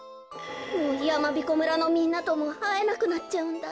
もうやまびこ村のみんなともあえなくなっちゃうんだ。